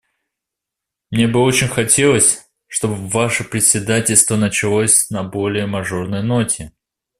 Мне бы очень хотелось, чтобы Ваше председательство началось на более мажорной ноте.